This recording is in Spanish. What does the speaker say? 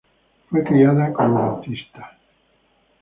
Ella fue criada como bautista.